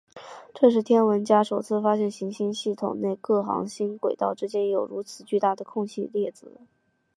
这是天文学家首次发现行星系统内各行星轨道之间有如此巨大空隙的例子。